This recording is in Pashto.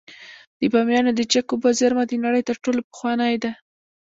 د بامیانو د چک اوبو زیرمه د نړۍ تر ټولو پخوانۍ ده